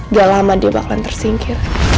udah lama dia bakalan tersingkir